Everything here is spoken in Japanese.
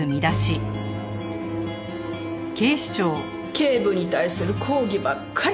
警部に対する抗議ばっかり。